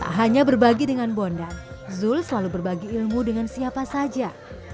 tak hanya berbagi dengan bondan zul selalu berbagi ilmu dengan siapa saja